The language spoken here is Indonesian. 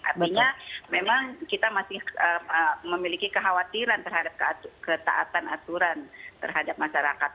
artinya memang kita masih memiliki kekhawatiran terhadap ketaatan aturan terhadap masyarakat